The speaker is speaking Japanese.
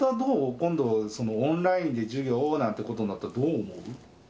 今度オンラインで授業をなんてことになったら、どう思う？